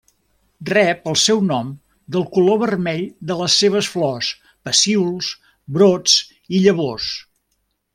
Rep el seu nom del color vermell de les seves flors, pecíols, brots i llavors.